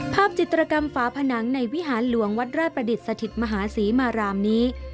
จิตรกรรมฝาผนังในวิหารหลวงวัดราชประดิษฐ์สถิตมหาศรีมารามนี้